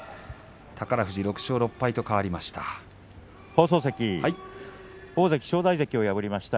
宝富士は６勝６敗と変わりました。